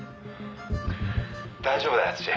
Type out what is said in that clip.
「大丈夫だよ敦」